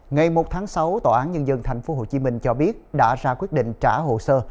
ngày một tháng sáu tòa án nhân dân tp hcm cho biết đã ra quyết định trả hồ sơ